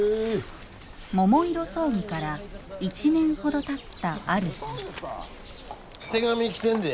桃色争議から１年ほどたったある日手紙来てんで。